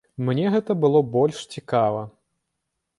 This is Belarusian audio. Мне гэта было больш цікава.